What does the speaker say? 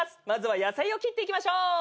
まずは野菜を切っていきましょう。